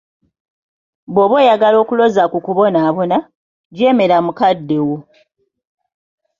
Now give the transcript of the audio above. "Bw'oba oyagala okuloza ku kubonaabona, jeemera mukaddewo."